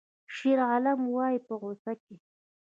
شیرعالم وایی په غوسه کې